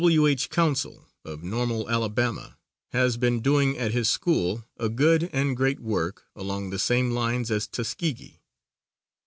W.H. Council, of Normal, Alabama, has been doing at his school a good and great work along the same lines as Tuskegee.